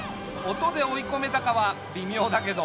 音で追いこめたかはびみょうだけど。